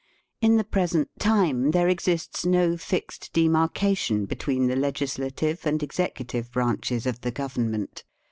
In the present time there exists no fixed demarcation between the legislative and executive branches of the Government.